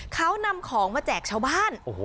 เขานำของมาแจกชาวบ้าน